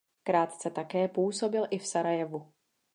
Krátce také působil i v Sarajevu.